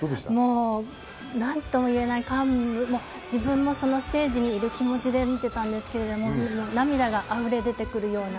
何とも言えない自分もそのステージにいる気持ちで見ていたんですけれど、涙があふれ出てくるような。